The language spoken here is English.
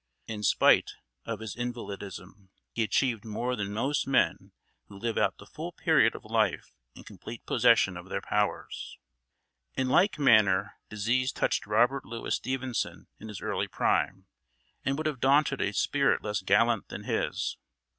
In spite of his invalidism he achieved more than most men who live out the full period of life in complete possession of their powers. In like manner disease touched Robert Louis Stevenson in his early prime, and would have daunted a spirit less gallant than his.